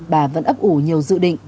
bà vẫn ấp ủ nhiều dự định